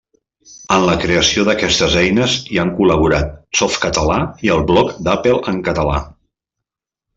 En la creació d'aquestes eines hi han col·laborat Softcatalà i el Bloc d'Apple en català.